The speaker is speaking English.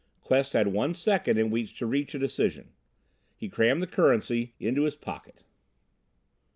Quest had one second in which to reach a decision.... He crammed the currency into his pocket.